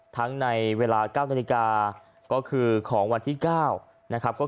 ในเวลา๙นาฬิกาก็คือของวันที่๙นะครับ